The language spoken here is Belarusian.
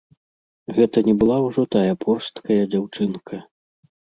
Гэта не была ўжо тая порсткая дзяўчынка.